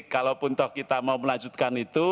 kalaupun toh kita mau melanjutkan itu